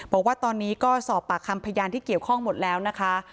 บอกว่าตอนนี้ก็สอบปากคำพยานที่เกี่ยวข้องหมดแล้วนะคะ